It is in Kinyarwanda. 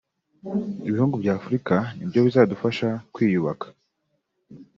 Ibihugu by’Afurika ni byo bizadufasha kwiyubaka